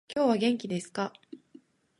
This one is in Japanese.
今日は元気ですか？